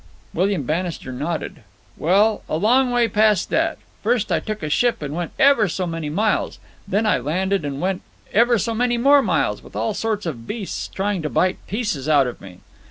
William Bannister nodded. "Well, a long way past that. First I took a ship and went ever so many miles. Then I landed and went ever so many more miles, with all sorts of beasts trying to bite pieces out of me."